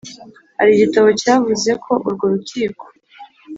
Hari igitabo cyavuze ko urwo rukiko